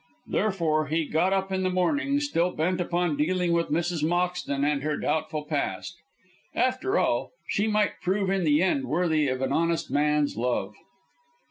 Therefore he got up in the morning still bent upon dealing with Mrs. Moxton and her doubtful past. After all, she might prove in the end worthy of an honest man's love.